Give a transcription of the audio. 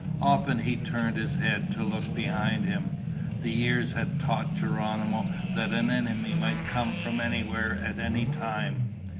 Often he turned his head to look behind him. The years had taught Geronimo that an enemy might come from anywhere at any time.